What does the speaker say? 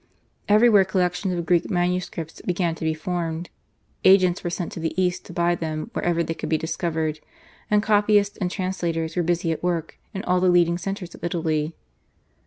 Everywhere collections of Greek manuscripts began to be formed; agents were sent to the East to buy them wherever they could be discovered, and copyists and translators were busy at work in all the leading centres of Italy.